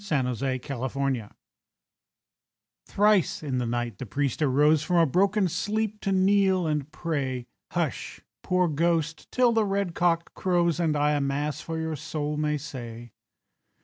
THE PRIEST'S BROTHER Thrice in the night the priest arose From broken sleep to kneel and pray. "Hush, poor ghost, till the red cock crows, And I a Mass for your soul may say."